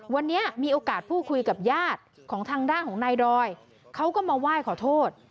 วันนี้มีโอกาสพูดคุยกับญาติของทางด้านของนายดอยเขาก็มาไหว้ขอโทษ